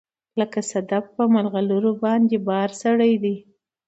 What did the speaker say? لکه صدف په مرغلروباندې بار سړی دی